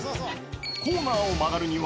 コーナーを曲がるには。